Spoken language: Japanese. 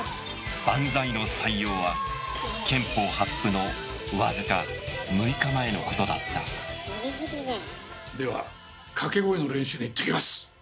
「バンザイ」の採用は憲法発布のわずか６日前のことだったでは掛け声の練習に行ってきます！